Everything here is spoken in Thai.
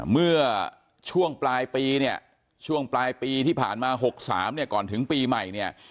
เมื่อช่วงปลายปีเนี่ยช่วงปลายปีที่ผ่านมา๖๓เนี่ยก่อนถึงปีใหม่เนี่ย